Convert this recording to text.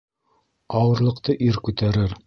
Ауырлыҡты ир күтәрер.